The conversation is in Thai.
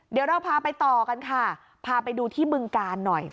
เดี๋ยวเราพาไปต่อกันค่ะพาไปดูที่บึงกาลหน่อย